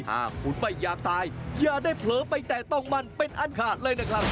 ถ้าคุณไม่อยากตายอย่าได้เผลอไปแต่ต้องมั่นเป็นอันขาดเลยนะครับ